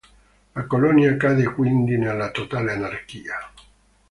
La colonia cade quindi nella totale anarchia.